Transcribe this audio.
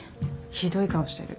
ひどい顔してる。